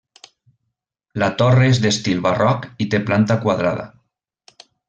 La torre és d'estil barroc i té planta quadrada.